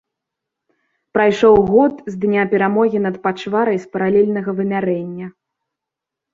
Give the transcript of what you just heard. Прайшоў год з дня перамогі над пачварай з паралельнага вымярэння.